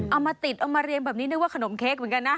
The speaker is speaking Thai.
เอามาติดเอามาเรียงแบบนี้นึกว่าขนมเค้กเหมือนกันนะ